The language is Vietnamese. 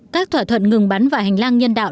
các thỏa thuận ngừng bắn và hành lang nhân đạo